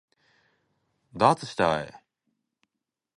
ダーツしたい